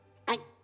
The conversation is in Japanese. はい。